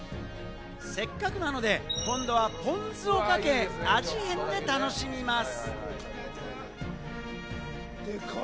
せっかくなので、今度はポン酢をかけ、味変で楽しみます。